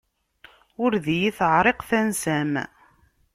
Ur d iyi-teɛṛiq tansa-m.